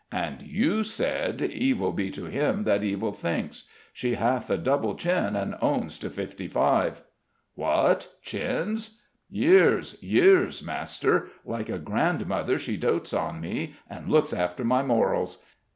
"And you said, 'Evil be to him that evil thinks.' She hath a double chin, and owns to fifty five." "What, chins!" "Years, years, master. Like a grandmother she dotes on me and looks after my morals.